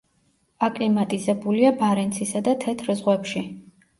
აკლიმატიზებულია ბარენცისა და თეთრ ზღვებში.